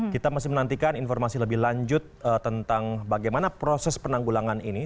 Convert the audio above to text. kita masih menantikan informasi lebih lanjut tentang bagaimana proses penanggulangan ini